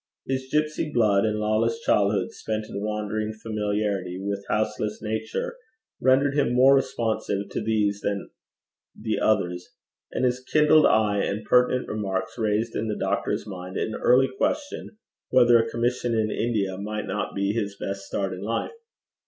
His gipsy blood and lawless childhood, spent in wandering familiarity with houseless nature, rendered him more responsive to these than the others, and his kindled eye and pertinent remarks raised in the doctor's mind an early question whether a commission in India might not be his best start in life.